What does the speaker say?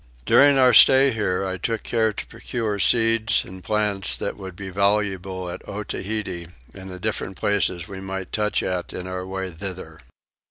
During our stay here I took care to procure seeds and plants that would be valuable at Otaheite and the different places we might touch at in our way thither.